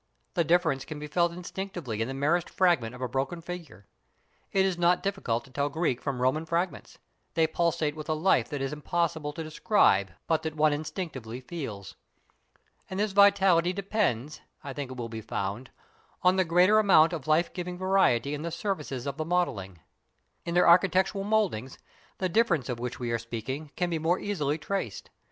The difference can be felt instinctively in the merest fragment of a broken figure. It is not difficult to tell Greek from Roman fragments, they pulsate with a life that it is impossible to describe but that one instinctively feels. And this vitality depends, I think it will be found, on the greater amount of life giving variety in the surfaces of the modelling. In their architectural mouldings, the difference of which we are speaking can be more easily traced.